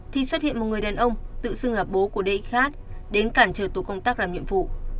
thì xuất hiện một người đàn ông tự xưng là bố của d khác đến cản trở tổ công tác làm nhiệm vụ